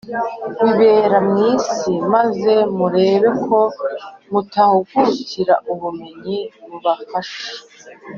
bibera mu isi, maze murebe ko mutahungukira ubumenyi bubafasha